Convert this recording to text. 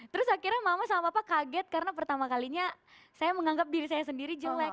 terus akhirnya mama sama papa kaget karena pertama kalinya saya menganggap diri saya sendiri jelek